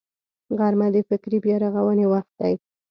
غرمه د فکري بیا رغونې وخت دی